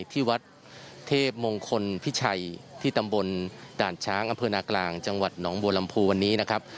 ที่วัดเทพมงคลพิชัยที่ตำบลด่านช้างอำเภอนากลางจังหวัดหนองบัวลำพูวันนี้นะครับ